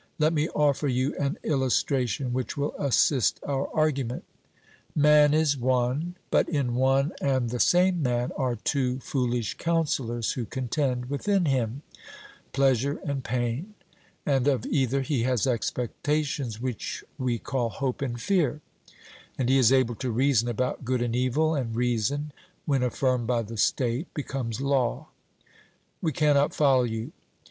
Let me offer you an illustration which will assist our argument. Man is one; but in one and the same man are two foolish counsellors who contend within him pleasure and pain, and of either he has expectations which we call hope and fear; and he is able to reason about good and evil, and reason, when affirmed by the state, becomes law. 'We cannot follow you.'